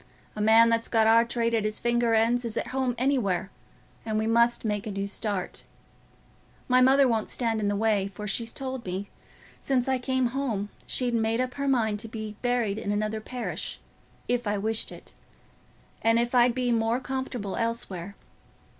"A man that's got our trade at his finger ends is at home everywhere; and we must make a new start. My mother won't stand in the way, for she's told me, since I came home, she'd made up her mind to being buried in another parish, if I wished it, and if I'd be more comfortable elsewhere.